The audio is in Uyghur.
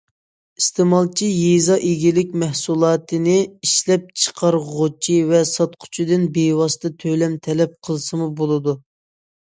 ئىستېمالچى يېزا ئىگىلىك مەھسۇلاتىنى ئىشلەپچىقارغۇچى ۋە ساتقۇچىدىن بىۋاسىتە تۆلەم تەلەپ قىلسىمۇ بولىدۇ.